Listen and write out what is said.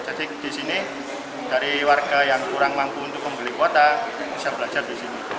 jadi di sini dari warga yang kurang mampu untuk membeli kuota bisa belajar di sini